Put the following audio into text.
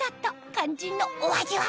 肝心のお味は？